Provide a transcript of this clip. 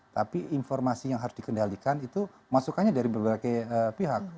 tapi informasi yang harus dikendalikan itu masukannya dari berbagai pihak